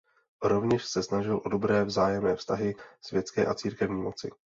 Rovněž se snažil o dobré vzájemné vztahy světské a církevní moci.